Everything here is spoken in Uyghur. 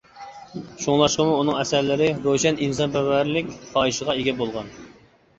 شۇڭلاشقىمۇ ئۇنىڭ ئەسەرلىرى روشەن ئىنسانپەرۋەرلىك خاھىشىغا ئىگە بولغان.